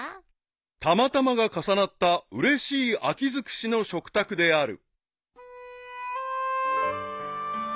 ［たまたまが重なったうれしい秋尽くしの食卓である］